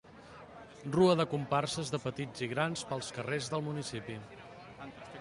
Rua de comparses de petits i grans pels carrers del municipi.